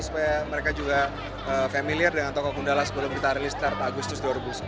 supaya mereka juga familiar dengan tokoh gundala sebelum kita rilis start agustus dua ribu sembilan belas